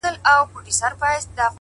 هوښیار انتخاب د سبا بار سپکوي